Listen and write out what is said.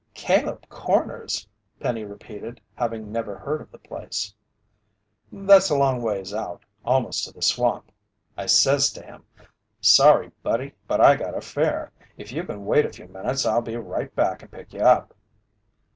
'" "Caleb Corners?" Penny repeated, having never heard of the place. "That's a long ways out, almost to the swamp. I says to him, 'Sorry, buddy, but I got a fare. If you can wait a few minutes I'll be right back and pick you up.'"